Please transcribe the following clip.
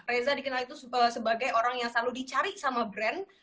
reza dikenal itu sebagai orang yang selalu dicari sama brand